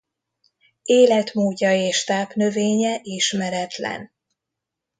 Életmódja és tápnövénye ismeretlen.